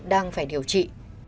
đang phải điều trị